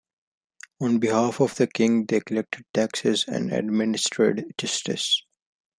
On behalf of the king they collected taxes and administered justice.